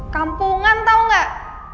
kampungan tau enggak